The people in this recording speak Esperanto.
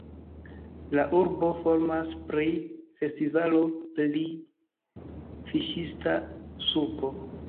La urbo famas pri festivalo pri fiŝista supo.